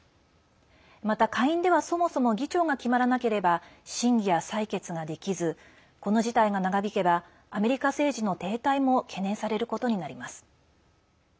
また下院では、そもそも議長が決まらなければ審議や採決ができずこの事態が長引けばアメリカ政治の停滞も懸念されることになります。